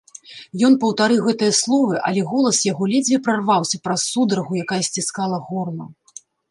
Ён паўтарыў гэтыя словы, але голас яго ледзьве прарваўся праз сударгу, якая сціскала горла.